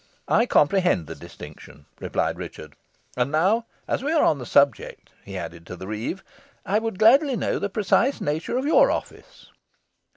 "I comprehend the distinction," replied Richard. "And now, as we are on this subject," he added to the reeve, "I would gladly know the precise nature of your office?"